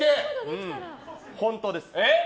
本当です。